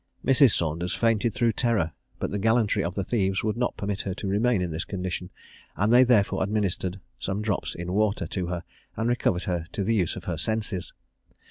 Mrs. Saunders fainted through terror, but the gallantry of the thieves would not permit her to remain in this condition, and they therefore administered some drops in water to her, and recovered her to the use of her senses.